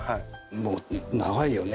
もう長いよね？